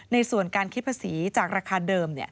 ส่วนการคิดภาษีจากราคาเดิม